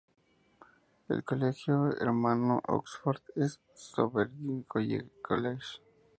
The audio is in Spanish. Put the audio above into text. El colegio hermano en Oxford es Somerville College.